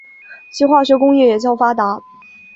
其化学工业也较发达。